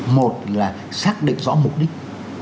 một là xác định rõ mục đích